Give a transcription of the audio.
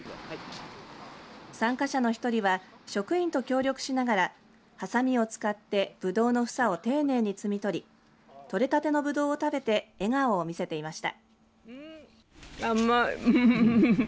参加者の１人は職員と協力しながらはさみを使ってぶどうの房を丁寧に摘み取り取れたてのぶどうを食べて笑顔を見せていました。